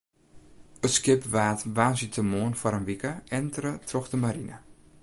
It skip waard woansdeitemoarn foar in wike entere troch de marine.